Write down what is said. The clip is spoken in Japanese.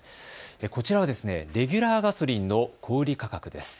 こちらはレギュラーガソリンの小売価格です。